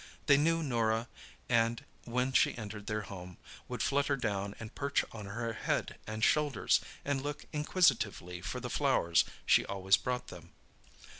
They knew Norah and, when she entered their home, would flutter down and perch on her head and shoulders, and look inquisitively for the flowers she always brought them.